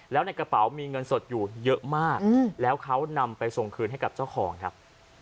แล้วในกระเป๋ามีเงินสดอยู่เยอะมากแล้วเขานำไปส่งคืนให้กับเจ้าของครับ